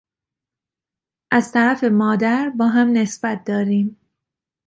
از طرف مادر باهم نسبت داریم.